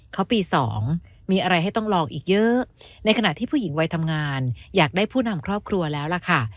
เขาปี๒มีอะไรให้ต้องลองอีกเยอะในขณะที่ผู้หญิงวัยทำงานอยากได้ผู้นำครอบครัวแล้วล่ะค่ะ